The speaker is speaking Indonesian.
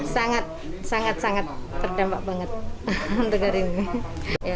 sangat sangat terdampak banget untuk hari ini